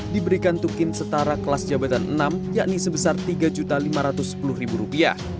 diberikan tukin setara kelas jabatan enam yakni sebesar rp tiga lima ratus sepuluh